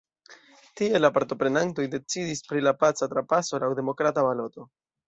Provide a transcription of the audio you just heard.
Tie la partoprenantoj decidis pri la paca trapaso laŭ demokrata baloto.